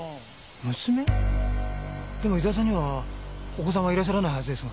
娘？でも伊沢さんにはお子さんはいらっしゃらないはずですが。